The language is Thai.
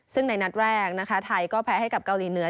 ซึ่งในนัดแรกนะคะไทยก็แพ้ให้กับเกาหลีเหนือ